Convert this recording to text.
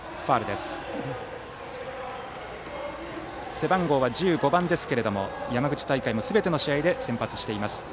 背番号は１５番ですが山口大会のすべての試合で先発しています。